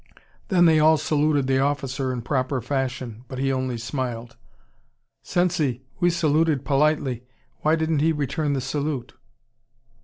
Then they all saluted the officer in proper fashion, but he only smiled. "Sensei, we saluted politely, why didn't he return the salute?"